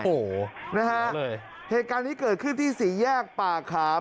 โอ้โหนะฮะเหตุการณ์นี้เกิดขึ้นที่สี่แยกป่าขาม